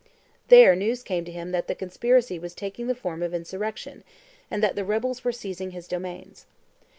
There news came to him that the conspiracy was taking the form of insurrection, and that the rebels were seizing his domains.